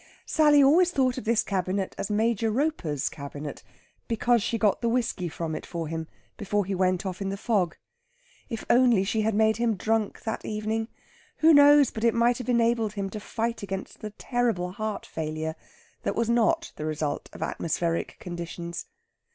Sally always thought of this cabinet as "Major Roper's cabinet," because she got the whiskey from it for him before he went off in the fog. If only she had made him drunk that evening! Who knows but it might have enabled him to fight against that terrible heart failure that was not the result of atmospheric conditions.